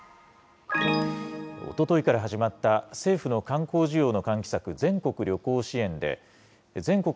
おとといから始まった政府の観光需要の喚起策、全国旅行支援で、全国